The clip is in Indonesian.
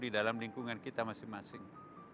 di dalam lingkungan kita masing masing